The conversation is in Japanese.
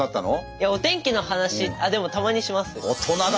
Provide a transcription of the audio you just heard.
いやお天気の話あっでもたまにします。